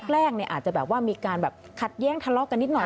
แรกอาจจะมีการขัดแย้งทะเลาะกันนิดหน่อย